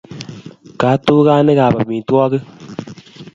Katukanik ab amitwokik